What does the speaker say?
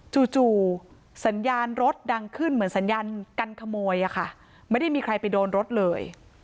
จู่สัญญาณรถดังขึ้นเหมือนสัญญากันขโมยอะค่ะไม่ได้มีใครไปโดนรถเลย